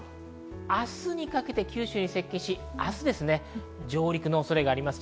明日にかけて九州に接近し、明日上陸の恐れがあります。